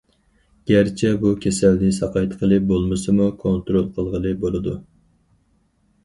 گەرچە بو كېسەلنى ساقايتقىلى بولمىسىمۇ، كونترول قىلغىلى بولىدۇ.